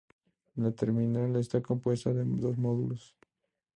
La terminal está compuesta de dos módulos.